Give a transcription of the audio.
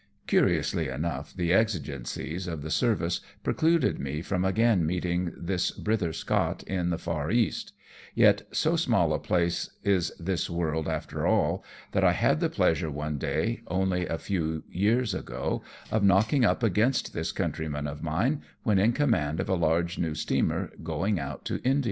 Curiously enough, the exigencies of the service precluded me from again meeting this brither Scot in the far East ; yet, so small a place is this world after all, that I had the pleasure one day, only a few years ago, of knocking up against this countryman of mine, when in command of a large new steamer going out to India.